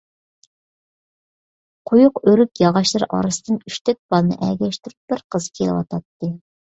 قويۇق ئۆرۈك ياغاچلىرى ئارىسىدىن ئۈچ-تۆت بالىنى ئەگەشتۈرۈپ، بىر قىز كېلىۋاتاتتى.